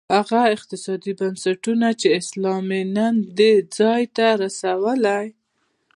هغه اقتصادي بنسټونه چې سلایم یې نن دې ځای ته رسولی.